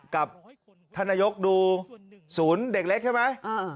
กับท่านนายกดูศูนย์เด็กเล็กใช่ไหม